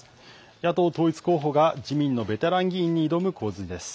野党統一候補が自民のベテラン議員に挑む構図です。